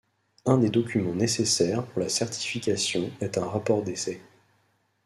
Un des documents nécessaires pour la certification est un rapport d'essai.